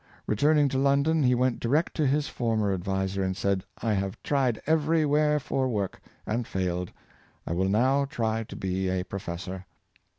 Returning to London, he went direct to his for mer adviser and said, '' I have tried every where for work, and failed; I will now try to be a professor!